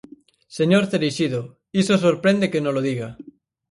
Señor Cereixido, iso sorprende que nolo diga.